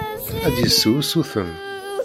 Ad d-yessu usuten.